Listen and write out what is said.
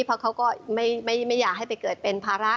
เพราะเขาก็ไม่อยากให้ไปเกิดเป็นภาระ